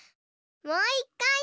もういっかい！